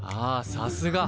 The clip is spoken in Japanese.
さすが。